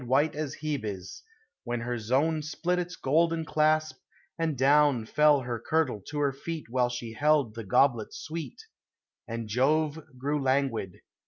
White as Hebe's, when her zone Split its golden clasp, and down Fell her kirtle to her feet While she held the goblet sweet, And Jove grew languid.